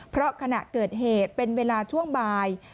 เพราะขณะเกิดเหตุเป็นเวลาช่วงบ่าย